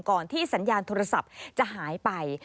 ที่สัญญาณโทรศัพท์จะหายไป